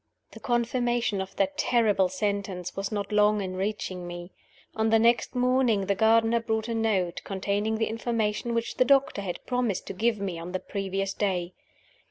The confirmation of that terrible sentence was not long in reaching me. On the next morning the gardener brought a note containing the information which the doctor had promised to give me on the previous day.